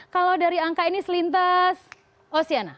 kalau dari angka ini selintas oceana